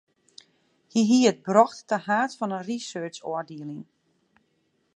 Hy hie it brocht ta haad fan in researchôfdieling.